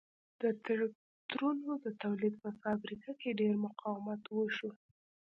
د ترکتورونو د تولید په فابریکه کې ډېر مقاومت وشو